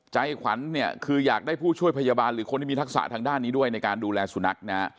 ใจขวัญเนี่ยคืออยากได้ผู้ช่วยพยาบาลหรือคนที่มีทักษะทางด้านนี้ด้วยในการดูแลสุนัขนะฮะ